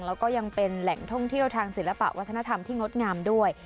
แล้วก็ยังเป็นแหล่งท่องเที่ยวทางศิลปะวัฒนธรรมที่งดงามด้วย